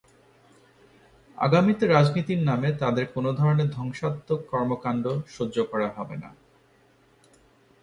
আগামীতে রাজনীতির নামে তাদের কোনো ধরনের ধ্বংসাত্মক কর্মকাণ্ড সহ্য করা হবে না।